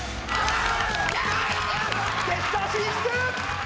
決勝進出！